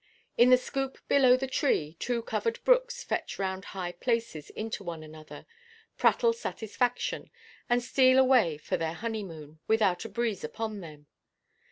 In the scoop below the tree, two covered brooks fetch round high places into one another, prattle satisfaction, and steal away for their honeymoon, without a breeze upon them.